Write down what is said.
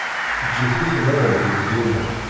Ǧǧet-iten ad rkun dinna.